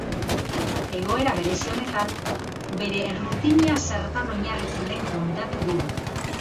Egoera berezi honetan, bere errutina zertan oinarritzen den kontatu digu.